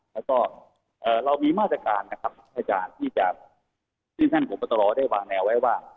แล้วเรามีมาตรการท่านท่านผมปราตรอได้หว่าแนวไว้ว่า